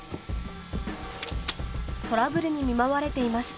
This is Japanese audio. トラブルに見舞われていました。